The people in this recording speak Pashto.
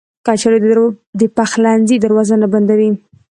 کچالو د پخلنځي دروازه نه بندوي